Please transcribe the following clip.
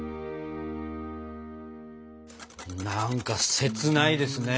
何か切ないですね。